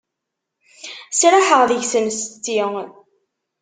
Sraḥeɣ deg-sen setti.